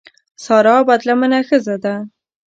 سارا بدلمنه ښځه ده.